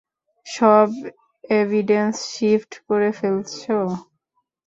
সব evidence shift করে ফেলেছ?